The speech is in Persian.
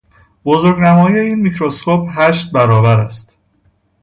بزرگنمایی این میکروسکوپ هشت برابر است.